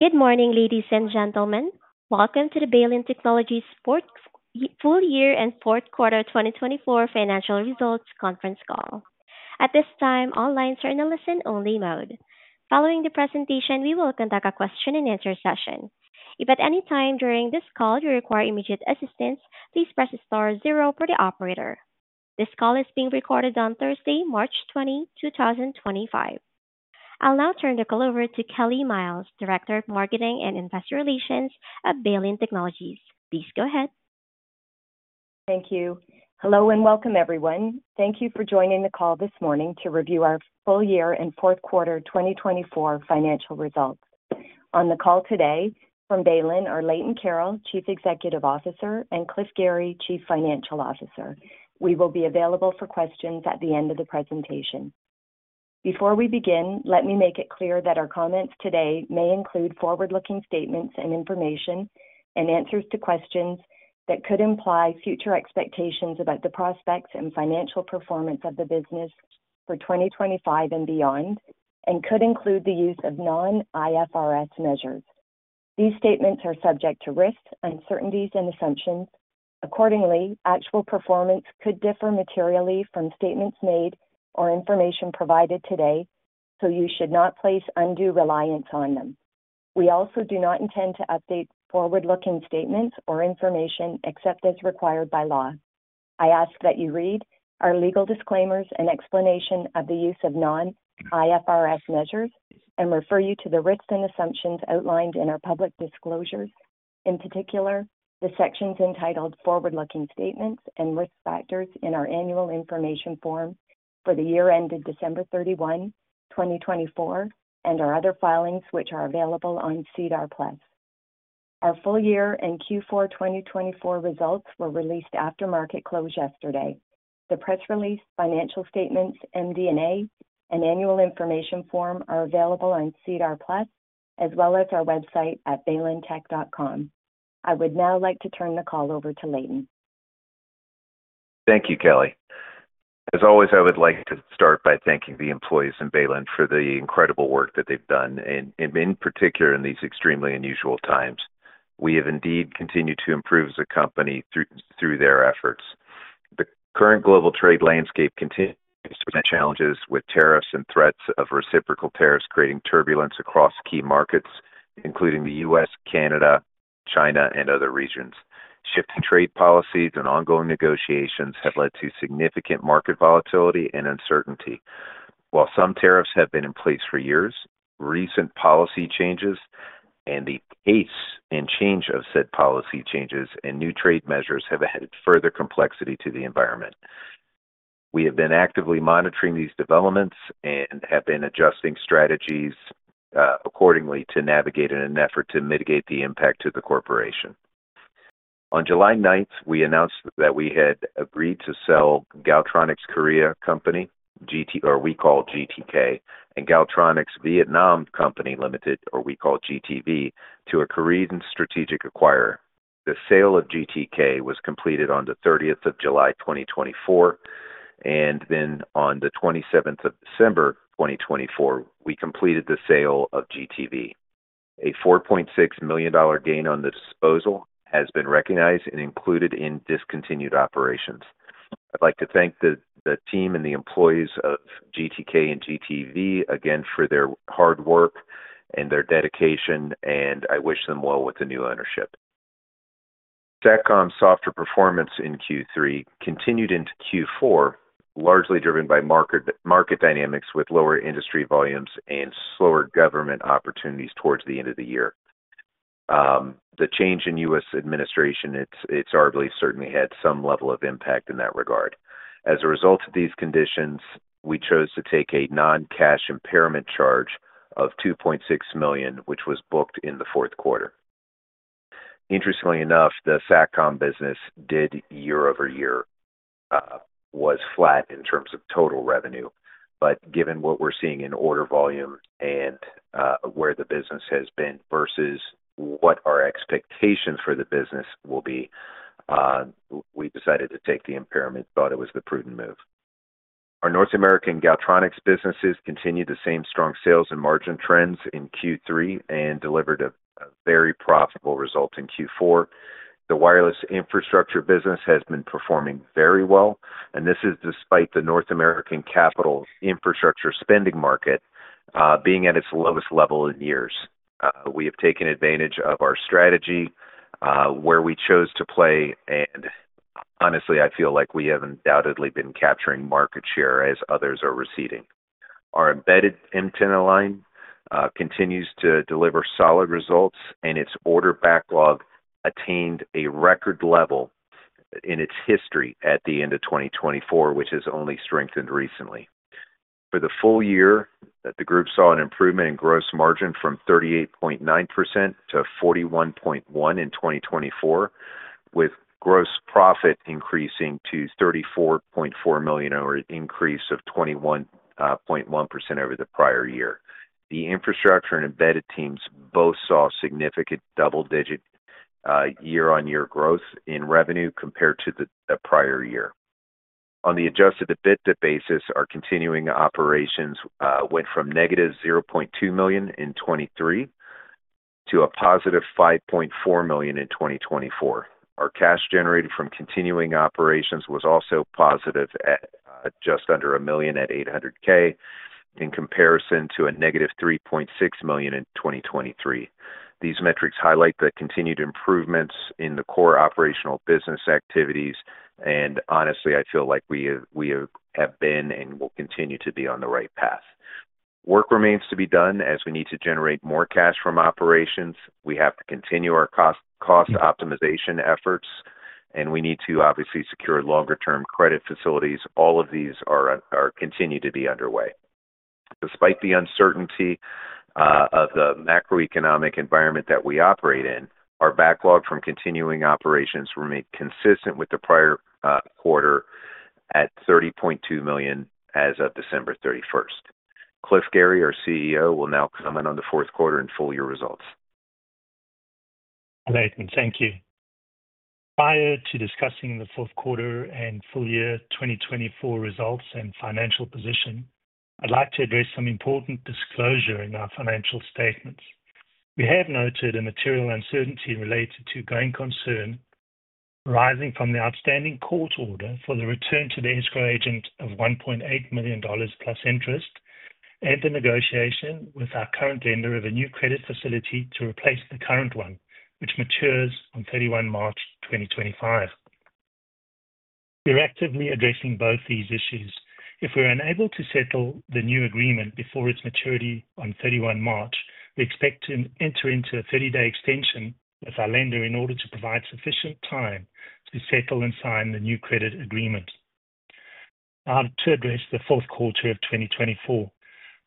Good morning, ladies and gentlemen. Welcome to the Baylin Technologies' Full Year and Fourth Quarter 2024 Financial Results Conference Call. At this time, all lines are in a listen-only mode. Following the presentation, we will conduct a question-and-answer session. If at any time during this call you require immediate assistance, please press star zero for the operator. This call is being recorded on Thursday, March 20, 2025. I'll now turn the call over to Kelly Myles, Director of Marketing and Investor Relations at Baylin Technologies. Please go ahead. Thank you. Hello and welcome, everyone. Thank you for joining the call this morning to review our full year and fourth quarter 2024 financial results. On the call today from Baylin are Leighton Carroll, Chief Executive Officer, and Cliff Gary, Chief Financial Officer. We will be available for questions at the end of the presentation. Before we begin, let me make it clear that our comments today may include forward-looking statements and information and answers to questions that could imply future expectations about the prospects and financial performance of the business for 2025 and beyond, and could include the use of non-IFRS measures. These statements are subject to risks, uncertainties, and assumptions. Accordingly, actual performance could differ materially from statements made or information provided today, so you should not place undue reliance on them. We also do not intend to update forward-looking statements or information except as required by law. I ask that you read our legal disclaimers and explanation of the use of non-IFRS measures and refer you to the risks and assumptions outlined in our public disclosures, in particular the sections entitled Forward-Looking Statements and Risk Factors in our annual information form for the year ended December 31, 2024, and our other filings, which are available on SEDAR+. Our full year and Q4 2024 results were released after market close yesterday. The press release, financial statements, MD&A, and annual information form are available on SEDAR+ as well as our website at baylintech.com. I would now like to turn the call over to Leighton. Thank you, Kelly. As always, I would like to start by thanking the employees in Baylin for the incredible work that they've done, and in particular in these extremely unusual times. We have indeed continued to improve as a company through their efforts. The current global trade landscape continues to present challenges with tariffs and threats of reciprocal tariffs, creating turbulence across key markets, including the U.S., Canada, China, and other regions. Shifting trade policies and ongoing negotiations have led to significant market volatility and uncertainty. While some tariffs have been in place for years, recent policy changes and the pace in change of said policy changes and new trade measures have added further complexity to the environment. We have been actively monitoring these developments and have been adjusting strategies accordingly to navigate in an effort to mitigate the impact to the corporation. On July 9th, we announced that we had agreed to sell Galtronics Korea Company, or we call GTK, and Galtronics Vietnam Company Limited, or we call GTV, to a Korean strategic acquirer. The sale of GTK was completed on the 30th of July 2024, and then on the 27th of December 2024, we completed the sale of GTV. A $4.6 million gain on the disposal has been recognized and included in discontinued operations. I'd like to thank the team and the employees of GTK and GTV again for their hard work and their dedication, and I wish them well with the new ownership. SatCom software performance in Q3 continued into Q4, largely driven by market dynamics with lower industry volumes and slower government opportunities towards the end of the year. The change in U.S. administration, it's our belief, certainly had some level of impact in that regard. As a result of these conditions, we chose to take a non-cash impairment charge of $2.6 million, which was booked in the fourth quarter. Interestingly enough, the SatCom business did year-over-year, was flat in terms of total revenue, but given what we're seeing in order volume and where the business has been versus what our expectations for the business will be, we decided to take the impairment, thought it was the prudent move. Our North American Galtronics businesses continued the same strong sales and margin trends in Q3 and delivered a very profitable result in Q4. The wireless infrastructure business has been performing very well, and this is despite the North American capital infrastructure spending market being at its lowest level in years. We have taken advantage of our strategy where we chose to play, and honestly, I feel like we have undoubtedly been capturing market share as others are receding. Our Embedded Antenna line continues to deliver solid results, and its order backlog attained a record level in its history at the end of 2024, which has only strengthened recently. For the full year, the group saw an improvement in gross margin from 38.9% to 41.1% in 2024, with gross profit increasing to $34.4 million, or an increase of 21.1% over the prior year. The infrastructure and embedded teams both saw significant double-digit year-on-year growth in revenue compared to the prior year. On the adjusted EBITDA basis, our continuing operations went from negative $0.2 million in 2023 to a positive $5.4 million in 2024. Our cash generated from continuing operations was also positive at just under a million at $800,000 in comparison to a negative $3.6 million in 2023. These metrics highlight the continued improvements in the core operational business activities, and honestly, I feel like we have been and will continue to be on the right path. Work remains to be done as we need to generate more cash from operations. We have to continue our cost optimization efforts, and we need to obviously secure longer-term credit facilities. All of these continue to be underway. Despite the uncertainty of the macroeconomic environment that we operate in, our backlog from continuing operations remained consistent with the prior quarter at $30.2 million as of December 31. Cliff Gary, our CFO, will now comment on the fourth quarter and full year results. Leighton, thank you. Prior to discussing the fourth quarter and full year 2024 results and financial position, I'd like to address some important disclosure in our financial statements. We have noted a material uncertainty related to going concern arising from the outstanding court order for the return to the escrow agent of $1.8 million plus interest and the negotiation with our current lender of a new credit facility to replace the current one, which matures on 31 March 2025. We're actively addressing both these issues. If we're unable to settle the new agreement before its maturity on 31 March, we expect to enter into a 30-day extension with our lender in order to provide sufficient time to settle and sign the new credit agreement. Now, to address the fourth quarter of 2024,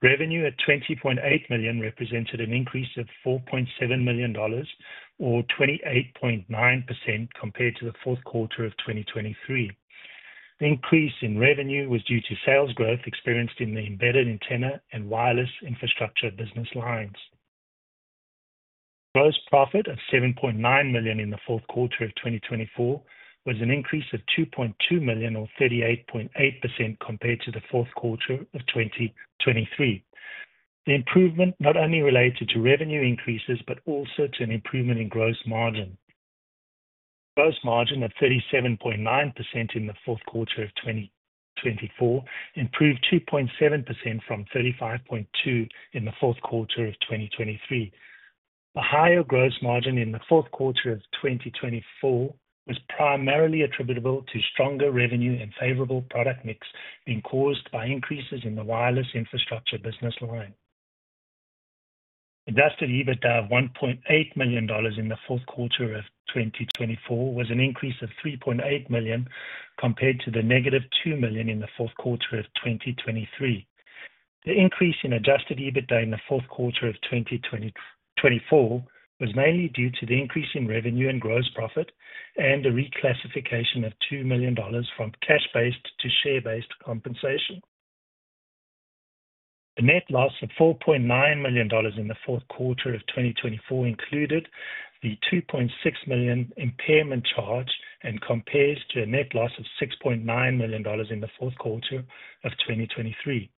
revenue at 20.8 million represented an increase of CAD 4.7 million, or 28.9% compared to the fourth quarter of 2023. The increase in revenue was due to sales growth experienced in the Embedded Antenna and wireless infrastructure business lines. Gross profit of 7.9 million in the fourth quarter of 2024 was an increase of 2.2 million, or 38.8% compared to the fourth quarter of 2023. The improvement not only related to revenue increases but also to an improvement in gross margin. Gross margin of 37.9% in the fourth quarter of 2024 improved 2.7 percentage points from 35.2% in the fourth quarter of 2023. A higher gross margin in the fourth quarter of 2024 was primarily attributable to stronger revenue and favorable product mix being caused by increases in the wireless infrastructure business line. Adjusted EBITDA of 1.8 million dollars in the fourth quarter of 2024 was an increase of 3.8 million compared to the negative 2 million in the fourth quarter of 2023. The increase in adjusted EBITDA in the fourth quarter of 2024 was mainly due to the increase in revenue and gross profit and the reclassification of 2 million dollars from cash-based to share-based compensation. The net loss of 4.9 million dollars in the fourth quarter of 2024 included the 2.6 million impairment charge and compares to a net loss of 6.9 million dollars in the fourth quarter of 2023.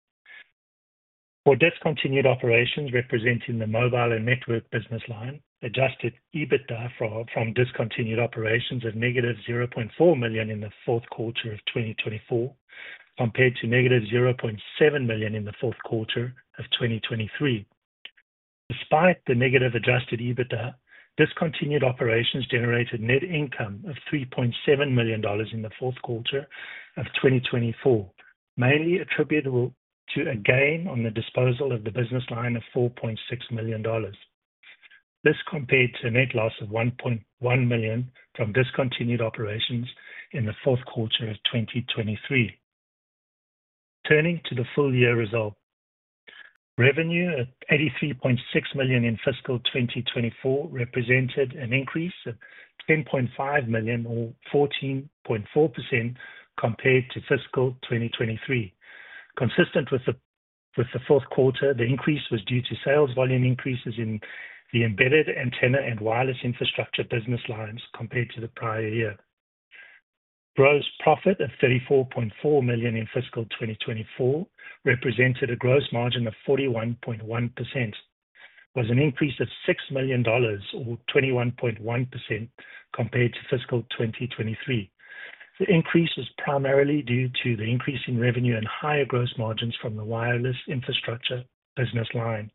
For discontinued operations representing the mobile and network business line, adjusted EBITDA from discontinued operations of negative 0.4 million in the fourth quarter of 2024 compared to negative 0.7 million in the fourth quarter of 2023. Despite the negative adjusted EBITDA, discontinued operations generated net income of 3.7 million dollars in the fourth quarter of 2024, mainly attributable to a gain on the disposal of the business line of 4.6 million dollars. This compared to a net loss of 1.1 million from discontinued operations in the fourth quarter of 2023. Turning to the full year result, revenue at 83.6 million in fiscal 2024 represented an increase of 10.5 million, or 14.4% compared to fiscal 2023. Consistent with the fourth quarter, the increase was due to sales volume increases in the Embedded Antenna and wireless infrastructure business lines compared to the prior year. Gross profit of 34.4 million in fiscal 2024 represented a gross margin of 41.1%. It was an increase of 6 million dollars, or 21.1% compared to fiscal 2023. The increase was primarily due to the increase in revenue and higher gross margins from the wireless infrastructure business line.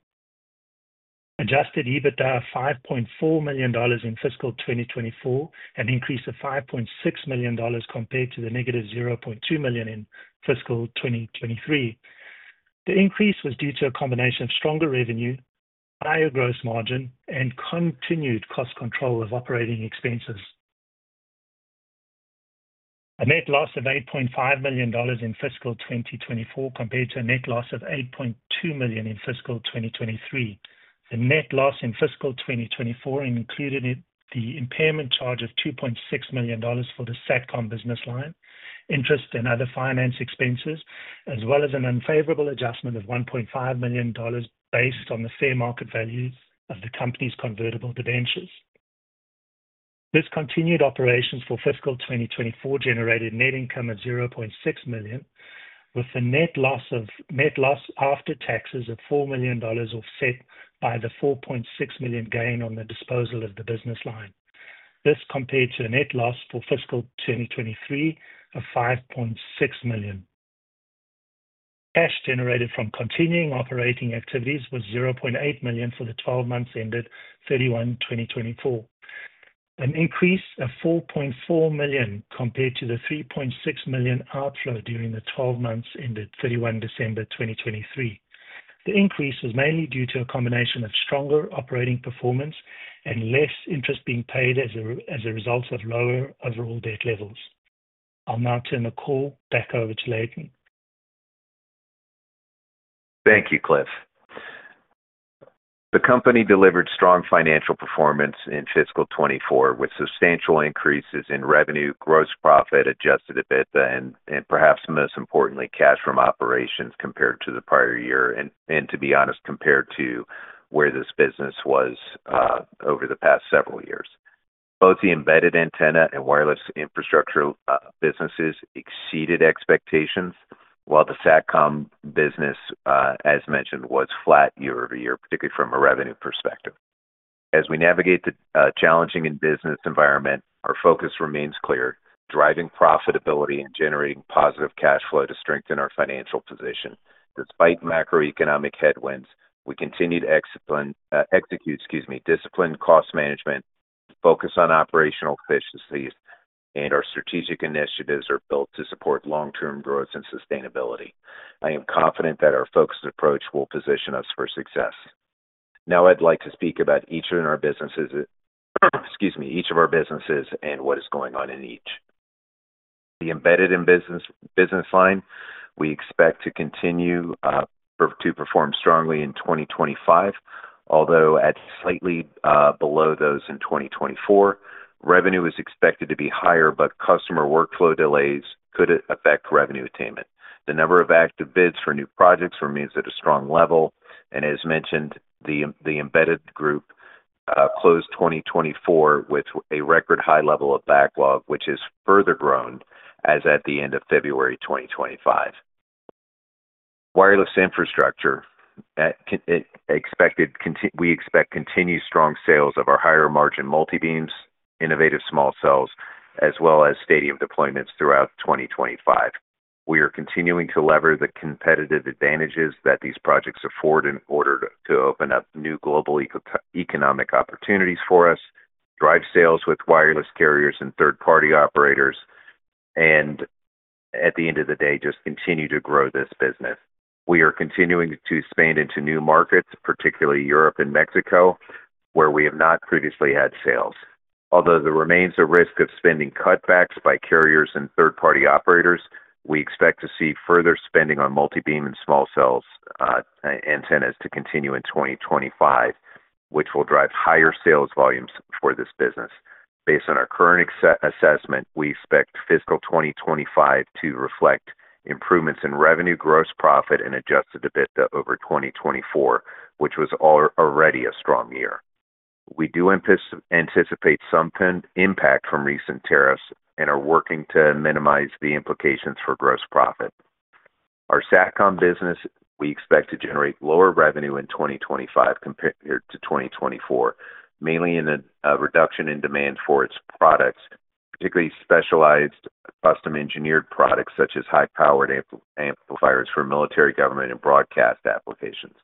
Adjusted EBITDA of 5.4 million dollars in fiscal 2024 had an increase of 5.6 million dollars compared to the negative 0.2 million in fiscal 2023. The increase was due to a combination of stronger revenue, higher gross margin, and continued cost control of operating expenses. A net loss of 8.5 million dollars in fiscal 2024 compared to a net loss of 8.2 million in fiscal 2023. The net loss in fiscal 2024 included the impairment charge of 2.6 million dollars for the Satcom business line, interest, and other finance expenses, as well as an unfavorable adjustment of 1.5 million dollars based on the fair market values of the company's convertible debentures. Discontinued operations for fiscal 2024 generated net income of 0.6 million, with the net loss after taxes of CAD 4 million offset by the 4.6 million gain on the disposal of the business line. This compared to a net loss for fiscal 2023 of 5.6 million. Cash generated from continuing operating activities was 0.8 million for the 12 months ended December 31, 2024. An increase of 4.4 million compared to the 3.6 million outflow during the 12 months ended December 31, 2023. The increase was mainly due to a combination of stronger operating performance and less interest being paid as a result of lower overall debt levels. I'll now turn the call back over to Leighton. Thank you, Cliff. The company delivered strong financial performance in fiscal 2024, with substantial increases in revenue, gross profit, adjusted EBITDA, and perhaps most importantly, cash from operations compared to the prior year, and to be honest, compared to where this business was over the past several years. Both the Embedded Antenna and Wireless Infrastructure businesses exceeded expectations, while the SatCom business, as mentioned, was flat year-over-year, particularly from a revenue perspective. As we navigate the challenging business environment, our focus remains clear: driving profitability and generating positive cash flow to strengthen our financial position. Despite macroeconomic headwinds, we continue to execute disciplined cost management, focus on operational efficiencies, and our strategic initiatives are built to support long-term growth and sustainability. I am confident that our focused approach will position us for success. Now, I'd like to speak about each of our businesses, excuse me, each of our businesses and what is going on in each. The Embedded Antenna business line, we expect to continue to perform strongly in 2025, although at slightly below those in 2024. Revenue is expected to be higher, but customer workflow delays could affect revenue attainment. The number of active bids for new projects remains at a strong level, and as mentioned, the embedded group closed 2024 with a record high level of backlog, which has further grown as of the end of February 2025. Wireless infrastructure, we expect continued strong sales of our higher margin multibeams, innovative small cells, as well as stadium deployments throughout 2025. We are continuing to lever the competitive advantages that these projects afford in order to open up new global economic opportunities for us, drive sales with wireless carriers and third-party operators, and at the end of the day, just continue to grow this business. We are continuing to expand into new markets, particularly Europe and Mexico, where we have not previously had sales. Although there remains a risk of spending cutbacks by carriers and third-party operators, we expect to see further spending on multibeam and small cells antennas to continue in 2025, which will drive higher sales volumes for this business. Based on our current assessment, we expect fiscal 2025 to reflect improvements in revenue, gross profit, and adjusted EBITDA over 2024, which was already a strong year. We do anticipate some impact from recent tariffs and are working to minimize the implications for gross profit. Our SatCom business, we expect to generate lower revenue in 2025 compared to 2024, mainly in a reduction in demand for its products, particularly specialized custom-engineered products such as high-powered amplifiers for military government and broadcast applications.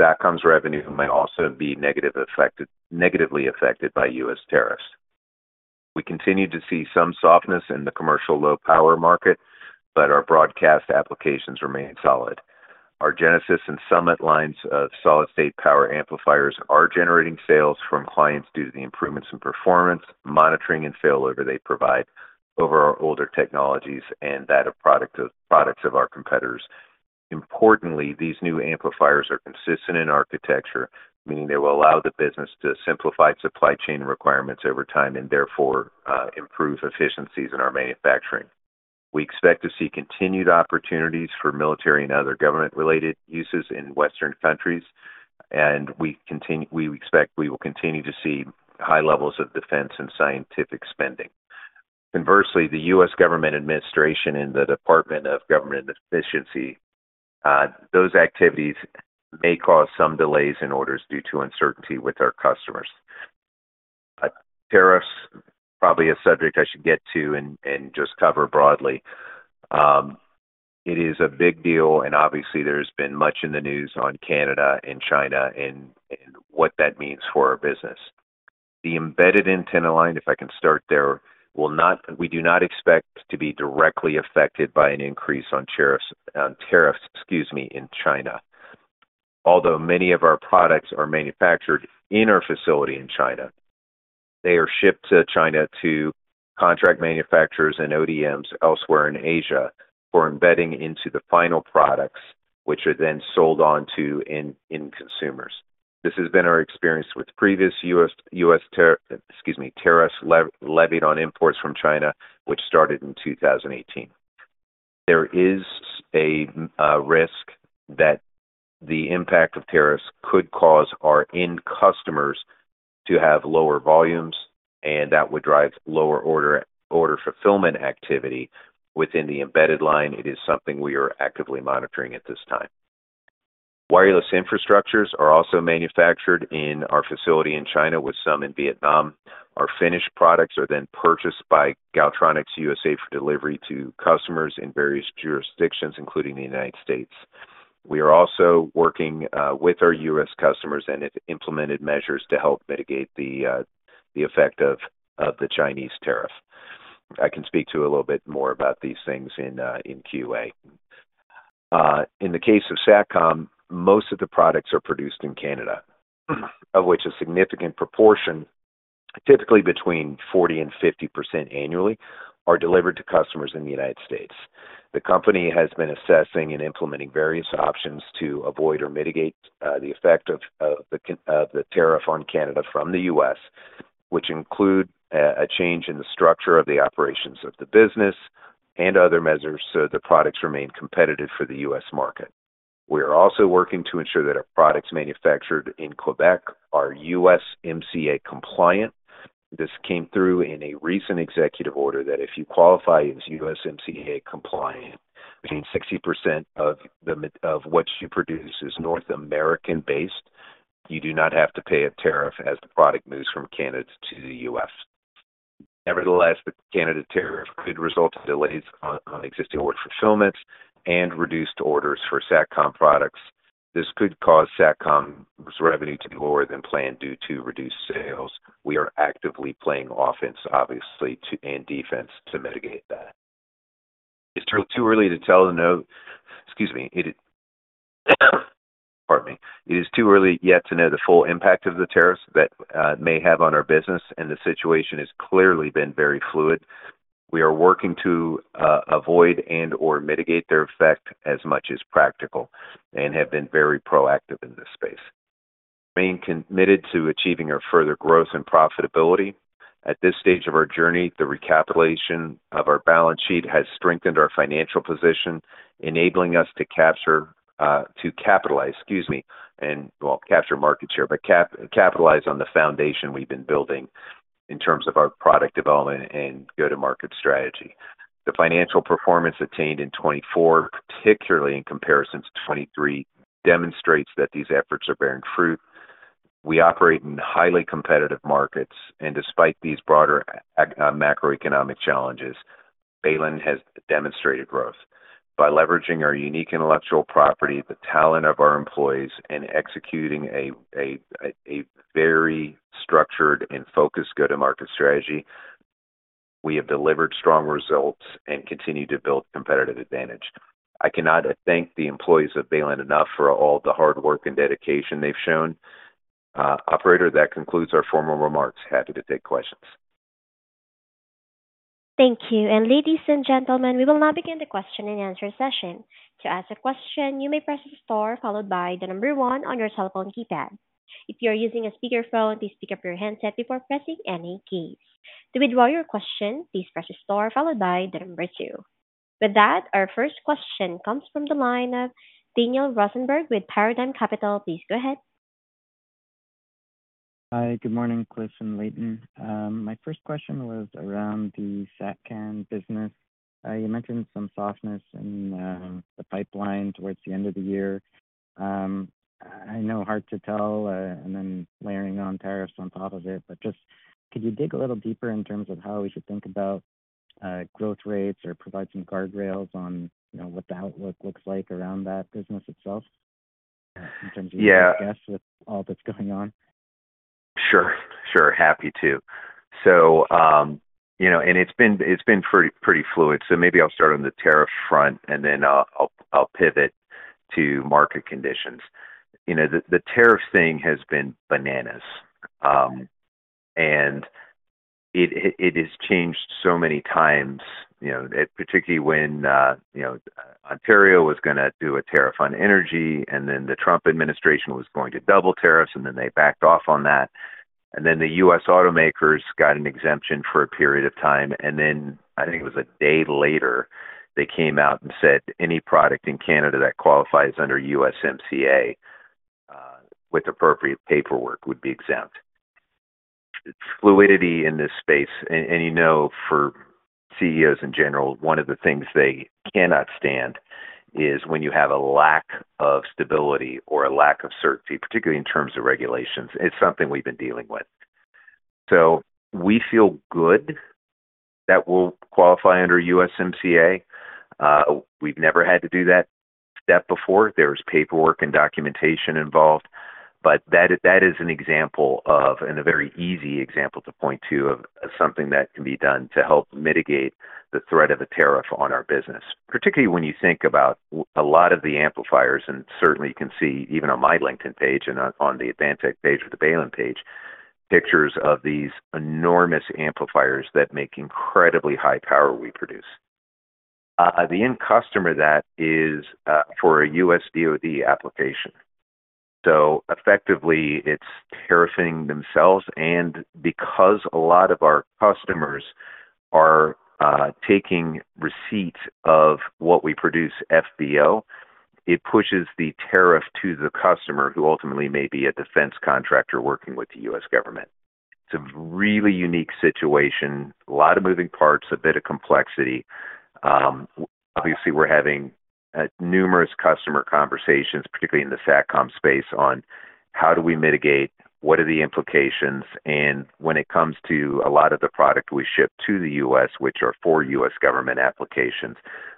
SatCom's revenue may also be negatively affected by U.S. tariffs. We continue to see some softness in the commercial low-power market, but our broadcast applications remain solid. Our Genesis and Summit lines of solid-state power amplifiers are generating sales from clients due to the improvements in performance, monitoring, and failover they provide over our older technologies and that of products of our competitors. Importantly, these new amplifiers are consistent in architecture, meaning they will allow the business to simplify supply chain requirements over time and therefore improve efficiencies in our manufacturing. We expect to see continued opportunities for military and other government-related uses in Western countries, and we expect we will continue to see high levels of defense and scientific spending. Conversely, the U.S. government administration and the Department of Government Efficiency, those activities may cause some delays in orders due to uncertainty with our customers. Tariffs, probably a subject I should get to and just cover broadly. It is a big deal, and obviously, there has been much in the news on Canada and China and what that means for our business. The Embedded Antenna line, if I can start there, we do not expect to be directly affected by an increase on tariffs in China. Although many of our products are manufactured in our facility in China, they are shipped to China to contract manufacturers and ODMs elsewhere in Asia for embedding into the final products, which are then sold on to end consumers. This has been our experience with previous U.S. tariffs levied on imports from China, which started in 2018. There is a risk that the impact of tariffs could cause our end customers to have lower volumes, and that would drive lower order fulfillment activity within the embedded line. It is something we are actively monitoring at this time. Wireless infrastructures are also manufactured in our facility in China, with some in Vietnam. Our finished products are then purchased by Galtronics USA for delivery to customers in various jurisdictions, including the United States. We are also working with our U.S. customers and have implemented measures to help mitigate the effect of the Chinese tariff. I can speak to a little bit more about these things in Q&A. In the case of SatCom, most of the products are produced in Canada, of which a significant proportion, typically between 40% and 50% annually, are delivered to customers in the United States. The company has been assessing and implementing various options to avoid or mitigate the effect of the tariff on Canada from the U.S., which include a change in the structure of the operations of the business and other measures so the products remain competitive for the U.S. market. We are also working to ensure that our products manufactured in Quebec are USMCA compliant. This came through in a recent executive order that if you qualify as USMCA compliant, meaning 60% of what you produce is North American-based, you do not have to pay a tariff as the product moves from Canada to the U.S. Nevertheless, the Canada tariff could result in delays on existing order fulfillments and reduced orders for Satcom products. This could cause Satcom's revenue to be lower than planned due to reduced sales. We are actively playing offense, obviously, and defense to mitigate that. It's too early to tell the note—excuse me. Pardon me. It is too early yet to know the full impact of the tariffs that may have on our business, and the situation has clearly been very fluid. We are working to avoid and/or mitigate their effect as much as practical and have been very proactive in this space. We remain committed to achieving our further growth and profitability. At this stage of our journey, the recapitulation of our balance sheet has strengthened our financial position, enabling us to capitalize—excuse me—and, well, capture market share, but capitalize on the foundation we've been building in terms of our product development and go-to-market strategy. The financial performance attained in 2024, particularly in comparison to 2023, demonstrates that these efforts are bearing fruit. We operate in highly competitive markets, and despite these broader macroeconomic challenges, Baylin has demonstrated growth. By leveraging our unique intellectual property, the talent of our employees, and executing a very structured and focused go-to-market strategy, we have delivered strong results and continue to build competitive advantage. I cannot thank the employees of Baylin enough for all the hard work and dedication they've shown. Operator, that concludes our formal remarks. Happy to take questions. Thank you. Ladies and gentlemen, we will now begin the question and answer session. To ask a question, you may press the star followed by the number one on your cell phone keypad. If you are using a speakerphone, please pick up your handset before pressing any keys. To withdraw your question, please press the star followed by the number two. With that, our first question comes from the line of Daniel Rosenberg with Paradigm Capital. Please go ahead. Hi. Good morning, Cliff and Leighton. My first question was around the SatCom business. You mentioned some softness in the pipeline towards the end of the year. I know hard to tell, and then layering on tariffs on top of it, but just could you dig a little deeper in terms of how we should think about growth rates or provide some guardrails on what the outlook looks like around that business itself in terms of, I guess, with all that's going on? Sure. Happy to. It has been pretty fluid, so maybe I'll start on the tariff front, and then I'll pivot to market conditions. The tariff thing has been bananas, and it has changed so many times, particularly when Ontario was going to do a tariff on energy, and then the Trump administration was going to double tariffs, and then they backed off on that. The U.S. automakers got an exemption for a period of time, and then I think it was a day later, they came out and said any product in Canada that qualifies under USMCA with appropriate paperwork would be exempt. Fluidity in this space, and you know for CEOs in general, one of the things they cannot stand is when you have a lack of stability or a lack of certainty, particularly in terms of regulations. It's something we've been dealing with. We feel good that we'll qualify under USMCA. We've never had to do that step before. There's paperwork and documentation involved, but that is an example of, and a very easy example to point to, of something that can be done to help mitigate the threat of a tariff on our business, particularly when you think about a lot of the amplifiers, and certainly you can see even on my LinkedIn page and on the Advantech Wireless page with the Baylin page, pictures of these enormous amplifiers that make incredibly high power we produce. The end customer, that is for a U.S. DOD application. Effectively, it's tariffing themselves, and because a lot of our customers are taking receipts of what we produce FBO, it pushes the tariff to the customer who ultimately may be a defense contractor working with the U.S. government. It's a really unique situation, a lot of moving parts, a bit of complexity. Obviously, we're having numerous customer conversations, particularly in the SatCom space, on how do we mitigate, what are the implications, and when it comes to a lot of the product we ship to the U.S., which are for U.S. government applications,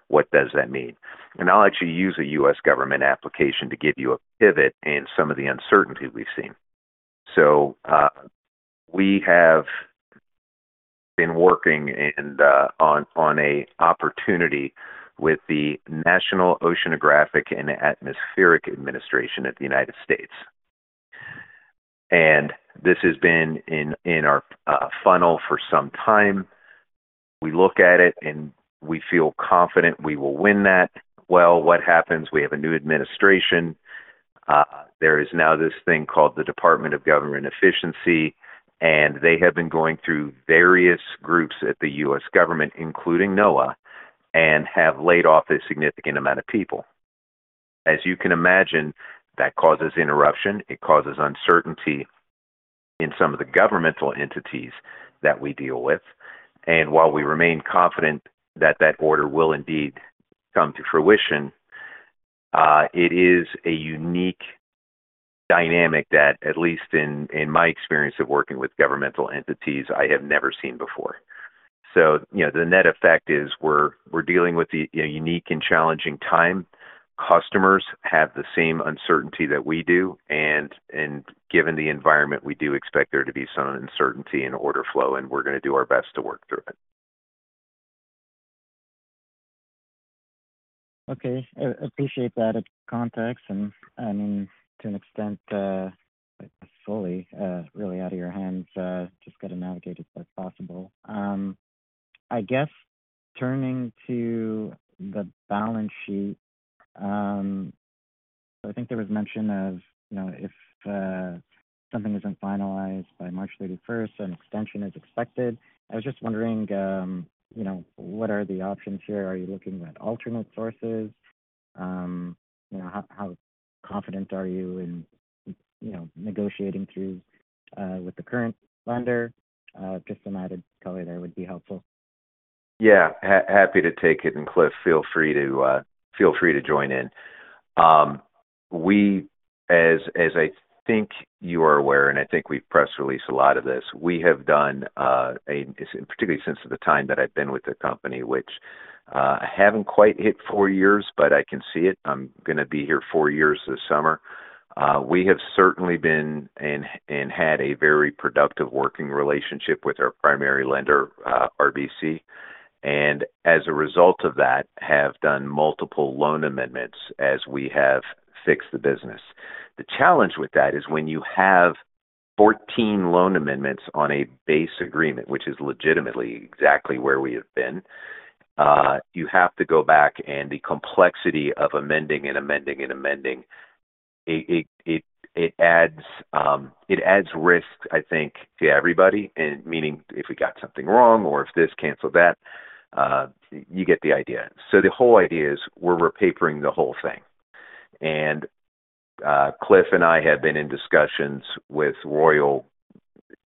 what does that mean? I will actually use a U.S. government application to give you a pivot and some of the uncertainty we've seen. We have been working on an opportunity with the National Oceanographic and Atmospheric Administration of the United States, and this has been in our funnel for some time. We look at it, and we feel confident we will win that. What happens? We have a new administration. There is now this thing called the Department of Government Efficiency, and they have been going through various groups at the U.S. government, including NOAA, and have laid off a significant amount of people. As you can imagine, that causes interruption. It causes uncertainty in some of the governmental entities that we deal with. While we remain confident that that order will indeed come to fruition, it is a unique dynamic that, at least in my experience of working with governmental entities, I have never seen before. The net effect is we're dealing with a unique and challenging time. Customers have the same uncertainty that we do, and given the environment, we do expect there to be some uncertainty in order flow, and we're going to do our best to work through it. Okay. Appreciate that context, and I mean, to an extent, fully, really out of your hands, just got to navigate it as best as possible. I guess turning to the balance sheet, I think there was mention of if something isn't finalized by March 31, an extension is expected. I was just wondering, what are the options here? Are you looking at alternate sources? How confident are you in negotiating through with the current lender? Just an added color there would be helpful. Yeah. Happy to take it, and Cliff, feel free to join in. We, as I think you are aware, and I think we've press release a lot of this, we have done, particularly since the time that I've been with the company, which I haven't quite hit four years, but I can see it. I'm going to be here four years this summer. We have certainly been and had a very productive working relationship with our primary lender, RBC, and as a result of that, have done multiple loan amendments as we have fixed the business. The challenge with that is when you have 14 loan amendments on a base agreement, which is legitimately exactly where we have been, you have to go back, and the complexity of amending and amending and amending, it adds risks, I think, to everybody, meaning if we got something wrong or if this canceled that, you get the idea. The whole idea is we're repapering the whole thing. Cliff and I have been in discussions with Royal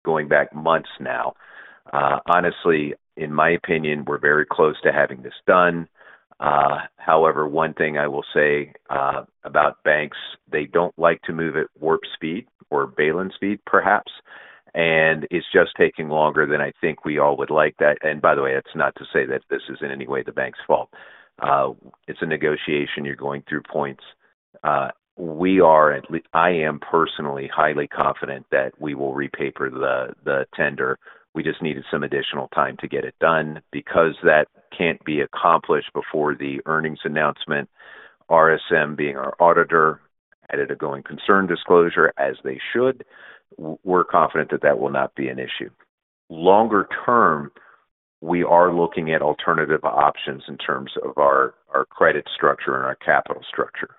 going back months now. Honestly, in my opinion, we're very close to having this done. However, one thing I will say about banks, they don't like to move at warp speed or Baylin speed, perhaps, and it's just taking longer than I think we all would like that. By the way, that's not to say that this is in any way the bank's fault. It's a negotiation. You're going through points. I am personally highly confident that we will repaper the tender. We just needed some additional time to get it done because that can't be accomplished before the earnings announcement. RSM, being our auditor, added a going concern disclosure, as they should. We're confident that that will not be an issue. Longer term, we are looking at alternative options in terms of our credit structure and our capital structure.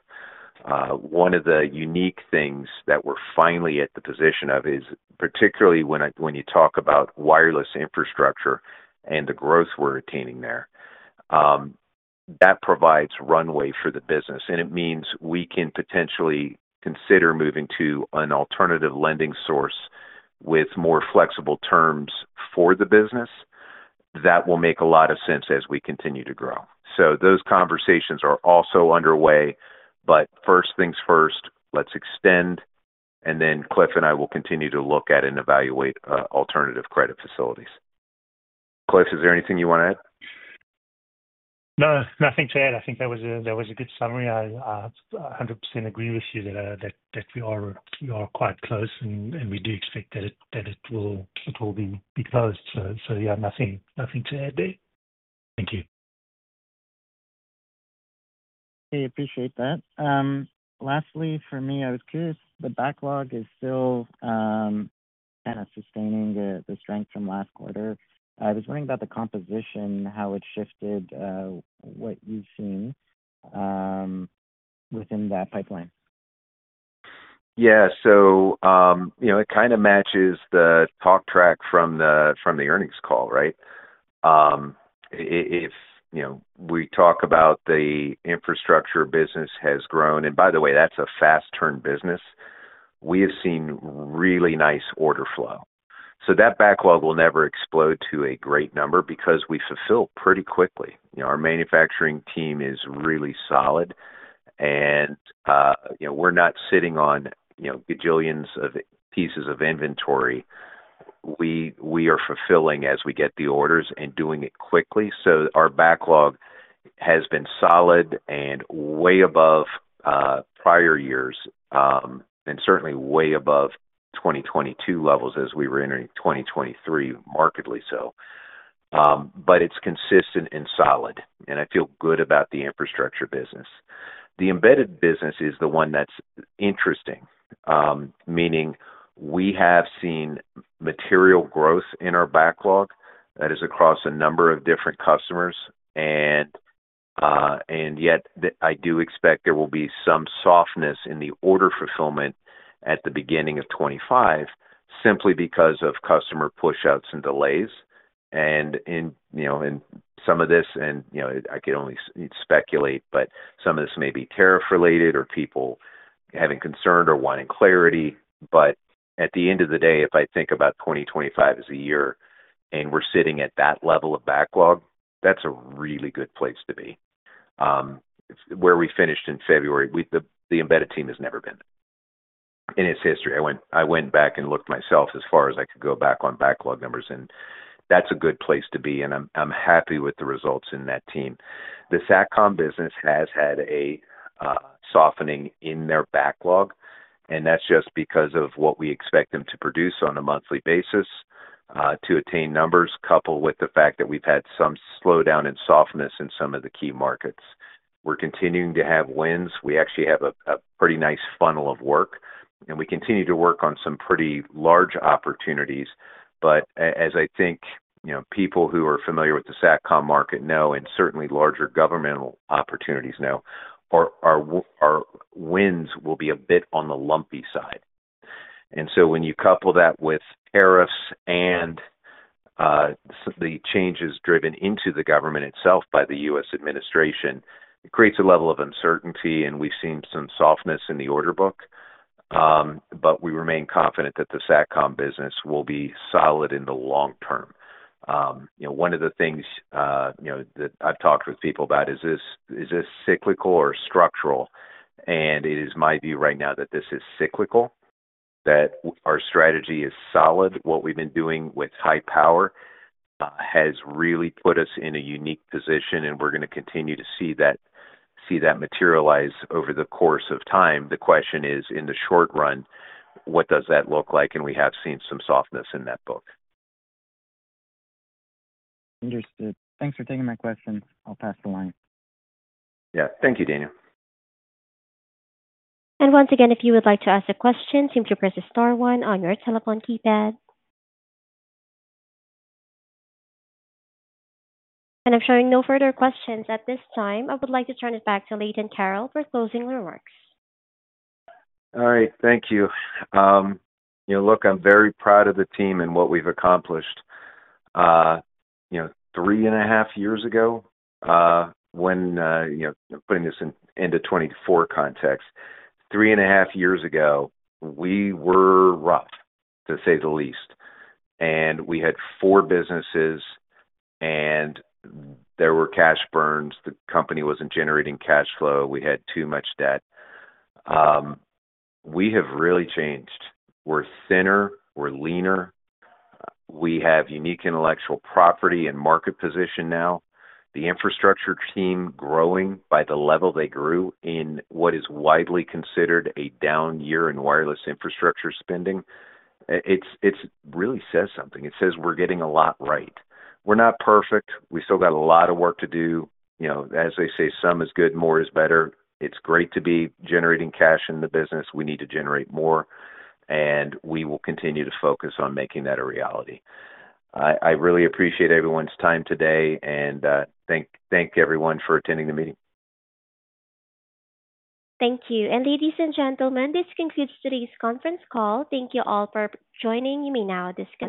One of the unique things that we're finally at the position of is, particularly when you talk about wireless infrastructure and the growth we're attaining there, that provides runway for the business, and it means we can potentially consider moving to an alternative lending source with more flexible terms for the business. That will make a lot of sense as we continue to grow. Those conversations are also underway, but first things first, let's extend, and then Cliff and I will continue to look at and evaluate alternative credit facilities. Cliff, is there anything you want to add? No. Nothing to add. I think that was a good summary. I 100% agree with you that we are quite close, and we do expect that it will be closed. Yeah, nothing to add there. Thank you. Okay. Appreciate that. Lastly, for me, I was curious, the backlog is still kind of sustaining the strength from last quarter. I was wondering about the composition, how it shifted, what you've seen within that pipeline. Yeah. It kind of matches the talk track from the earnings call, right? If we talk about the infrastructure business has grown, and by the way, that's a fast turned business, we have seen really nice order flow. That backlog will never explode to a great number because we fulfill pretty quickly. Our manufacturing team is really solid, and we're not sitting on gazillions of pieces of inventory. We are fulfilling as we get the orders and doing it quickly. Our backlog has been solid and way above prior years and certainly way above 2022 levels as we were entering 2023, markedly so. It is consistent and solid, and I feel good about the infrastructure business. The embedded business is the one that's interesting, meaning we have seen material growth in our backlog that is across a number of different customers, yet I do expect there will be some softness in the order fulfillment at the beginning of 2025 simply because of customer push-outs and delays. Some of this, and I can only speculate, may be tariff-related or people having concerns or wanting clarity. At the end of the day, if I think about 2025 as a year and we're sitting at that level of backlog, that's a really good place to be. Where we finished in February, the embedded team has never been in its history. I went back and looked myself as far as I could go back on backlog numbers, and that's a good place to be, and I'm happy with the results in that team. The SatCom business has had a softening in their backlog, and that's just because of what we expect them to produce on a monthly basis to attain numbers, coupled with the fact that we've had some slowdown and softness in some of the key markets. We're continuing to have wins. We actually have a pretty nice funnel of work, and we continue to work on some pretty large opportunities. As I think people who are familiar with the SatCom market know, and certainly larger governmental opportunities know, our wins will be a bit on the lumpy side. When you couple that with tariffs and the changes driven into the government itself by the U.S. administration, it creates a level of uncertainty, and we've seen some softness in the order book, but we remain confident that the SatCom business will be solid in the long term. One of the things that I've talked with people about is, is this cyclical or structural? It is my view right now that this is cyclical, that our strategy is solid. What we've been doing with high power has really put us in a unique position, and we're going to continue to see that materialize over the course of time. The question is, in the short run, what does that look like? We have seen some softness in that book. Understood. Thanks for taking my questions. I'll pass the line. Yeah. Thank you, Daniel. If you would like to ask a question, simply press the star one on your telephone keypad. I am showing no further questions at this time. I would like to turn it back to Leighton Carroll for closing remarks. All right. Thank you. Look, I'm very proud of the team and what we've accomplished. 3.5 years ago, when putting this into 2024 context, 3.5 years ago, we were rough, to say the least, and we had four businesses, and there were cash burns. The company wasn't generating cash flow. We had too much debt. We have really changed. We're thinner. We're leaner. We have unique intellectual property and market position now. The infrastructure team growing by the level they grew in what is widely considered a down year in wireless infrastructure spending, it really says something. It says we're getting a lot right. We're not perfect. We still got a lot of work to do. As they say, some is good, more is better. It's great to be generating cash in the business. We need to generate more, and we will continue to focus on making that a reality. I really appreciate everyone's time today, and thank everyone for attending the meeting. Thank you. Ladies and gentlemen, this concludes today's conference call. Thank you all for joining. You may now disconnect.